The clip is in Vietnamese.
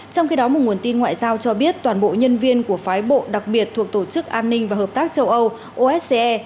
trong khi đó một nguồn tin ngoại giao cho biết toàn bộ nhân viên của phái bộ đặc biệt thuộc tổ chức an ninh và hợp tác châu âu ose